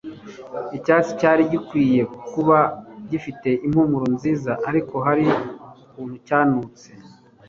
Icyatsi cyari gikwiye kuba gifite impumuro nziza, ariko hari ukuntu cyanutse.